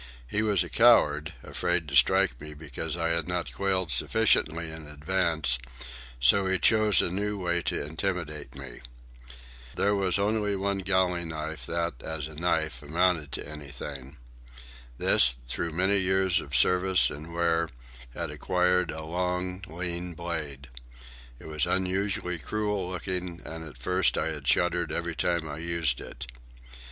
He was a coward, afraid to strike me because I had not quailed sufficiently in advance; so he chose a new way to intimidate me. There was only one galley knife that, as a knife, amounted to anything. This, through many years of service and wear, had acquired a long, lean blade. It was unusually cruel looking, and at first I had shuddered every time I used it.